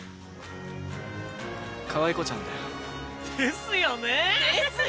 かわい子ちゃんだよ。ですよねえ。ですよねえ。